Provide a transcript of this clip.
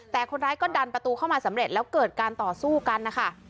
แต่คนร้ายก็ดันประตูเข้ามาสำเร็จแล้วเกิดการต่อสู้กันนะคะ